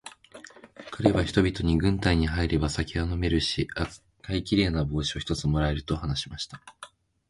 かれは人々に、軍隊に入れば酒は飲めるし、赤いきれいな帽子を一つ貰える、と話しました。